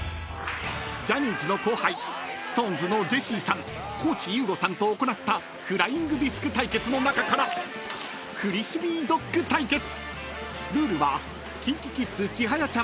［ジャニーズの後輩ＳｉｘＴＯＮＥＳのジェシーさん地優吾さんと行ったフライングディスク対決の中からフリスビードッグ対決］